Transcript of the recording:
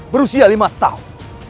berusia lima tahun